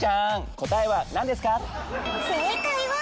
答えはなんですか？